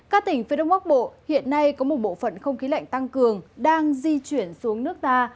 các tỉnh phía đông bắc bộ hiện nay có một bộ phận không khí lạnh tăng cường đang di chuyển xuống nước ta